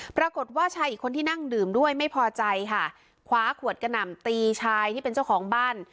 ปรากฏว่าชายอีกคนที่นั่งดื่มด้วยไม่พอใจค่ะคว้าขวดกระหน่ำตีชายที่เป็นเจ้าของบ้าน